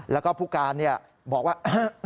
แล้วก็ผู้การบอกว่า